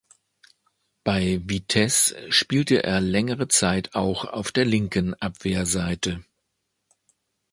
Bei Vitesse spielte er längere Zeit auch auf der linken Abwehrseite.